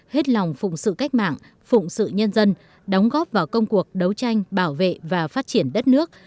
hết lòng phụng sự cách mạng phụng sự nhân dân đóng góp vào công cuộc đấu tranh bảo vệ và phát triển đất nước